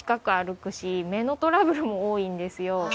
くし目のトラブルも多いんですよ